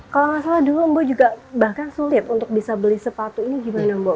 kalau nggak salah dulu mbah juga bahkan sulit untuk bisa beli sepatu ini gimana mbak